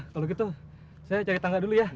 kalau gitu saya cari tangga dulu ya